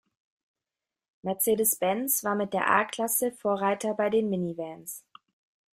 Mercedes-Benz war mit der "A-Klasse" Vorreiter bei den Minivans.